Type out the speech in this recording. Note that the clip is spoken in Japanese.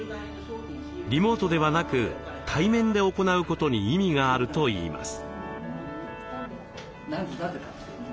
リモートではなく対面で行うことに意味があるといいます。